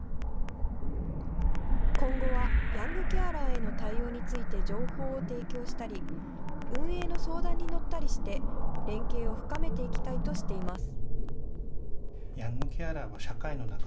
今後はヤングケアラーへの対応について情報を提供したり運営の相談に乗ったりして連携を深めていきたいとしています。